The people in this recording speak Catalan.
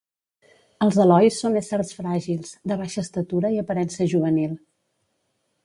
Els elois són éssers fràgils, de baixa estatura i aparença juvenil.